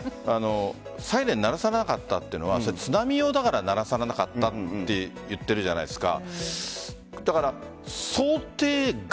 サイレン鳴らさなかったというのは津波用だから鳴らさなかったと言っているじゃないですか。